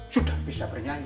sudah bisa bernyanyi